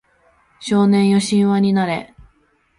少年よ神話になれ